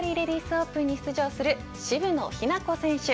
オープンに出場する渋野日向子選手。